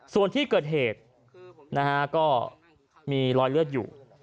ส่วนที่เกิดเหตุก็มีรอยเลือดอยู่